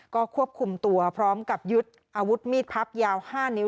ก็ควบคุมตัวพร้อมกับยึดอาวุธมีดพับยาว๕นิ้ว